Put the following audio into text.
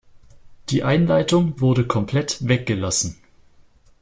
Die Einleitung wurde komplett weggelassen.